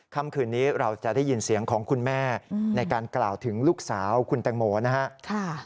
ค่ำคืนนี้เราจะได้ยินเสียงของคุณแม่ในการกล่าวถึงลูกสาวคุณแตงโมนะครับ